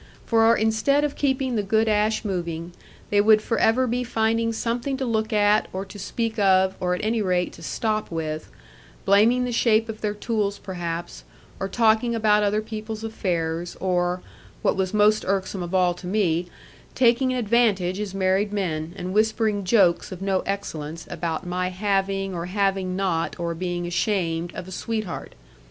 For, instead of keeping the good ash moving, they would for ever be finding something to look at or to speak of, or at any rate, to stop with; blaming the shape of their tools perhaps, or talking about other people's affairs; or, what was most irksome of all to me, taking advantage as married men, and whispering jokes of no excellence about my having, or having not, or being ashamed of a sweetheart.